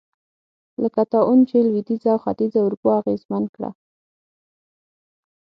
لکه طاعون چې لوېدیځه او ختیځه اروپا اغېزمن کړه.